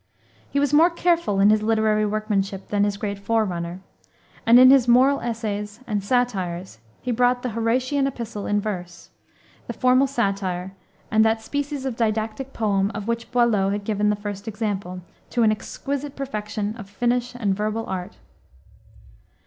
He was more careful in his literary workmanship than his great forerunner, and in his Moral Essays and Satires he brought the Horatian epistle in verse, the formal satire and that species of didactic poem of which Boileau had given the first example, to an exquisite perfection of finish and verbal art.